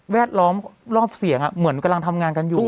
ดล้อมรอบเสียงเหมือนกำลังทำงานกันอยู่